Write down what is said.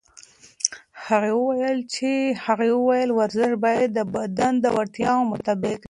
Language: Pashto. هغې وویل ورزش باید د بدن د وړتیاوو مطابق وي.